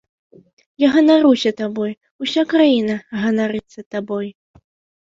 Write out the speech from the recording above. Я ганаруся табой, уся краіна ганарыцца табой.